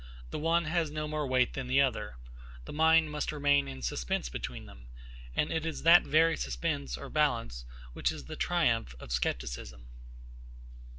The one has no more weight than the other. The mind must remain in suspense between them; and it is that very suspense or balance, which is the triumph of scepticism.